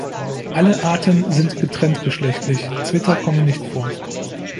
Alle Arten sind getrenntgeschlechtlich, Zwitter kommen nicht vor.